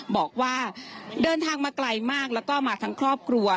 บอกว่าเดินทางมาไกลมากแล้วก็มาทั้งครอบครัว